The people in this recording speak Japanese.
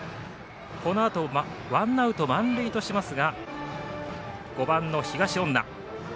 このあとワンアウト満塁としますが５番の東恩納。